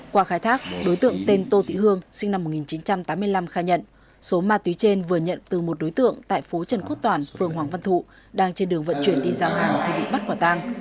qua khai thác đối tượng tên tô thị hương sinh năm một nghìn chín trăm tám mươi năm khai nhận số ma túy trên vừa nhận từ một đối tượng tại phố trần quốc toản phường hoàng văn thụ đang trên đường vận chuyển đi giao hàng thì bị bắt quả tang